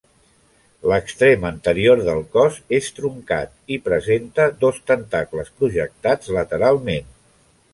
L'extrem anterior del cos és truncat i presenta dos tentacles projectats lateralment.